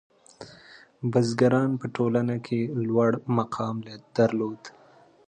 • بزګران په ټولنه کې لوړ مقام درلود.